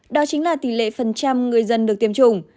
đó chính là tỷ lệ phần trăm người dân được tiêm chủng